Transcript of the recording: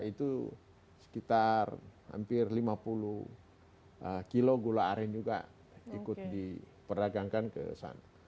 itu sekitar hampir lima puluh kilo gula aren juga ikut diperdagangkan ke sana